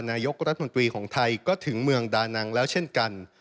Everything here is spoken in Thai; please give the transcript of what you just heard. นายกรัฐมนตรีของไทยก็ถึงเมืองดานังแล้วเช่นกัน